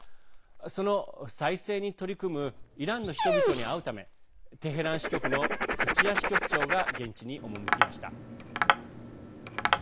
その再生に取り組むイランの人々に会うためテヘラン支局の土屋支局長が現地に赴きました。